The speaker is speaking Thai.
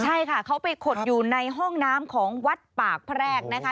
ใช่ค่ะเขาไปขดอยู่ในห้องน้ำของวัดปากแพรกนะคะ